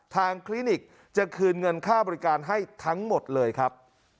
คลินิกจะคืนเงินค่าบริการให้ทั้งหมดเลยครับ